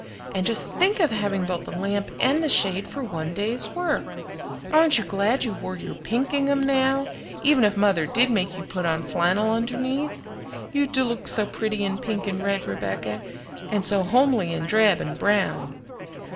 And just think of having both the lamp and the shade for one day's work! Aren't you glad you wore your pink gingham now, even if mother did make you put on flannel underneath? You do look so pretty in pink and red, Rebecca, and so homely in drab and brown!"